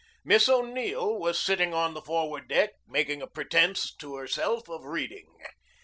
Miss O'Neill was sitting on the forward deck making a pretense to herself of reading.